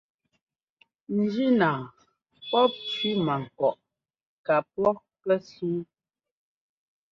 Njínaa pɔ̂p cẅímankɔʼ kapɔ́ pɛ́súu.